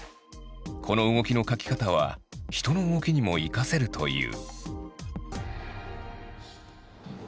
この動きの描き方は人の動きにも生かせるという。